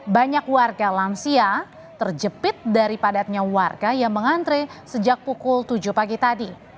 banyak warga lansia terjepit dari padatnya warga yang mengantre sejak pukul tujuh pagi tadi